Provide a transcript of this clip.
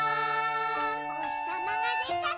「おひさまがでたら」